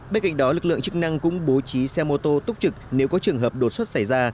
bên cạnh đó lực lượng chức năng cũng bố trí xe mô tô túc trực nếu có trường hợp đột xuất xảy ra